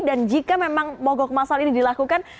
dan jika memang mogok masal ini dilakukan